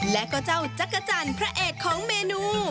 และก็เจ้าจักรจันทร์พระเอกของเมนู